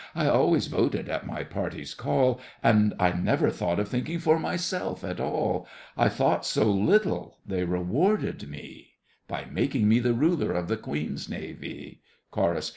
I always voted at my party's call, And I never thought of thinking for myself at all. I thought so little, they rewarded me By making me the Ruler of the Queen's Navee! CHORUS.